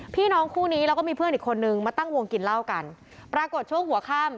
พี่น้องคู่นี้แล้วก็มีเพื่อนอีกคนนึงมาตั้งวงกินเหล้ากันปรากฏช่วงหัวค่ำ